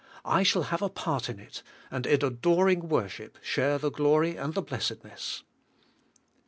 I shall have a part in it, and in adoring worship share. the glory and the blessed ness.